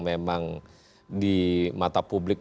memang di mata publik